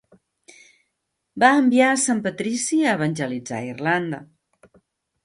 Va enviar sant Patrici a evangelitzar Irlanda.